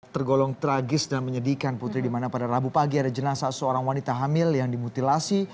tergolong tragis dan menyedihkan putri dimana pada rabu pagi ada jenazah seorang wanita hamil yang dimutilasi